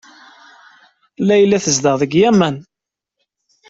Layla tezdeɣ deg Yamen.